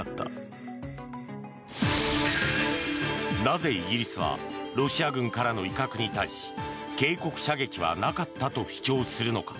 なぜイギリスはロシア軍からの威嚇に対し警告射撃はなかったと主張するのか。